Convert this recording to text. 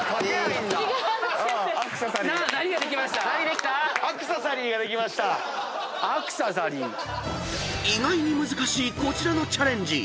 ［意外に難しいこちらのチャレンジ］